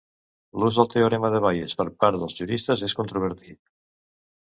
L"ús del teorema de Bayes per part dels juristes és controvertit.